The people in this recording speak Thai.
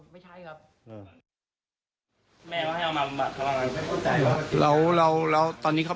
ไม่ใช่ครับ